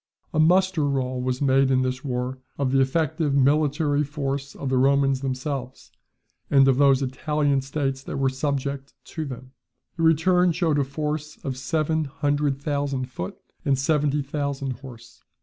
A muster roll was made in this war of the effective military force of the Romans themselves, and of those Italian states that were subject to them. The return showed a force of seven hundred thousand foot, and seventy thousand horse.